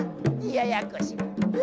ややこしや。